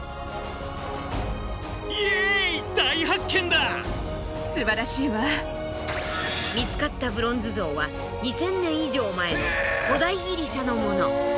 発見されたのは見つかったブロンズ像は２，０００年以上前の古代ギリシャのもの。